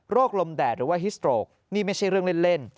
ลมแดดหรือว่าฮิสโตรกนี่ไม่ใช่เรื่องเล่น